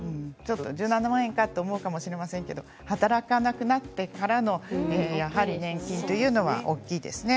１７万円かと思うかもしれませんが働かなくなってからの年金というのは、やはり大きいですね。